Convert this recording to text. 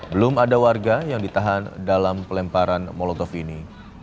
belum ada warga yang ditahan dalam pelemparan molotov ini